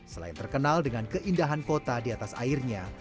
selain terkenal dengan keindahan kota di atas airnya